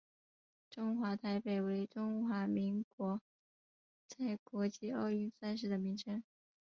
中华台北为中华民国在国际奥运赛事的名称。